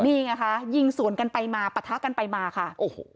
นี่ไงคะยิงสวนกันไปมาปะทะกันไปมาค่ะโอ้โห